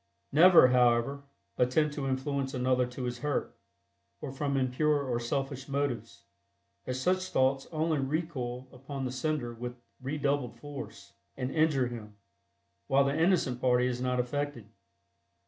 Never, however, attempt to influence another to his hurt, or from impure or selfish motives, as such thoughts only recoil upon the sender with redoubled force, and injure him, while the innocent party is not affected.